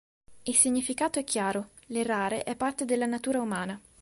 Il significato è chiaro: l'errare è parte della natura umana.